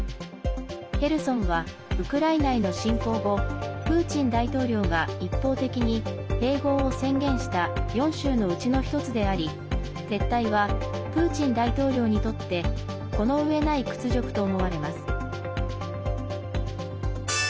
ヘルソンはウクライナへの侵攻後プーチン大統領が一方的に併合を宣言した４州のうちの１つであり撤退は、プーチン大統領にとってこの上ない屈辱と思われます。